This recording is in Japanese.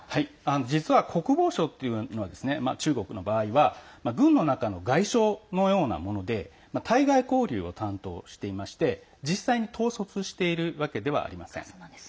実は国防相というのは中国の場合は軍の中の外相のようなもので対外交流を担当していまして実際に統率しているわけではありません。